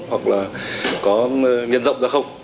hoặc là có nhân rộng ra không